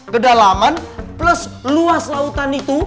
kedalaman plus luas lautan itu